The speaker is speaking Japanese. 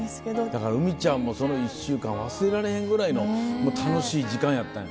だからウミちゃんもその１週間忘れられへんぐらいの楽しい時間やったんや。